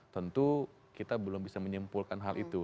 tentu kita belum bisa menyimpulkan hal itu